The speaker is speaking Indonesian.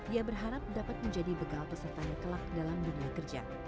ia berharap dapat menjadi bekal pesertanya kelak dalam dunia kerja